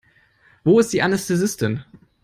Wo ist die Anästhesistin?